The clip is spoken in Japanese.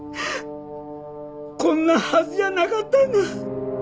こんなはずじゃなかったんだ。